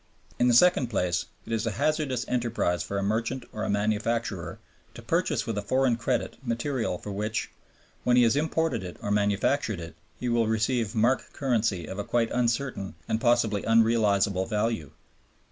In the second place, it is a hazardous enterprise for a merchant or a manufacturer to purchase with a foreign credit material for which, when he has imported it or manufactured it, he will receive mark currency of a quite uncertain and possibly unrealizable value.